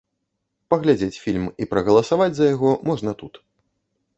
Паглядзець фільм і прагаласаваць за яго можна тут.